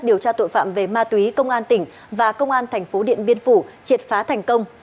điều tra tội phạm về ma túy công an tỉnh và công an thành phố điện biên phủ triệt phá thành công